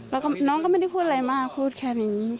แล้วก็น้องก็ไม่ได้พูดอะไรมากพูดแค่นี้